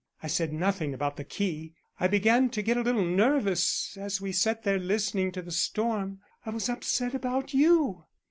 I said nothing about the key. I began to get a little nervous as we sat there listening to the storm. I was upset about you."